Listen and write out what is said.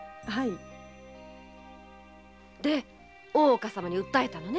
で大岡様に訴えたのね？